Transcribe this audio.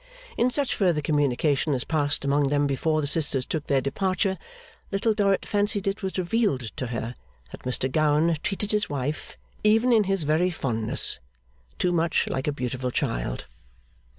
In such further communication as passed among them before the sisters took their departure, Little Dorrit fancied it was revealed to her that Mr Gowan treated his wife, even in his very fondness, too much like a beautiful child.